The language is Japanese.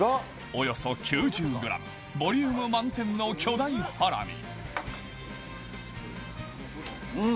およそ９０ｇボリューム満点の巨大ハラミうん。